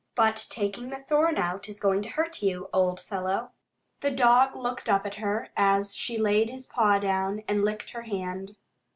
"But taking the thorn out is going to hurt you, old fellow." The dog looked up at her as she laid his paw down, and licked her hand.